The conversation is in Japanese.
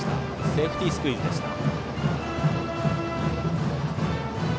セーフティースクイズでした。